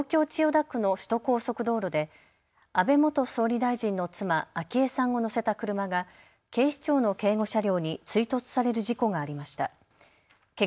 きょう午前、東京千代田区の首都高速道路で安倍元総理大臣の妻、昭恵さんを乗せた車が警視庁の警護車両に追突される事故がありました。